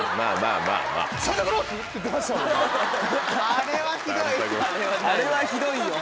あれはひどいよ。